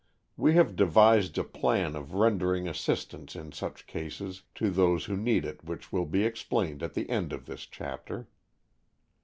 We have devised a plan of rendering assistance in such cases to those who need it which will be explained at the end of this chapter.